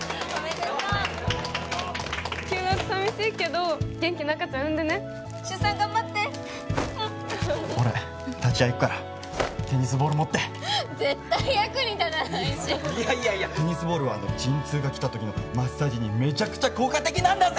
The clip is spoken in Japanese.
休学寂しいけど元気な赤ちゃん産んでね出産頑張ってうん俺立ち会い行くからテニスボール持って絶対役に立たないしいやいやいやテニスボールは陣痛が来たときのマッサージにめちゃくちゃ効果的なんだぜ！